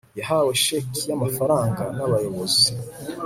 yahawe sheki yamafaranga nabayobozi